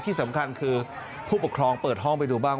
ที่สำคัญคือผู้ปกครองเปิดห้องไปดูบ้าง